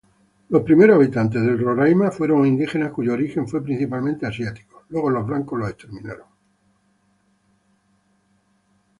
Los primeros habitantes del Roraima fueron indígenas cuyo origen fue principalmente asiático.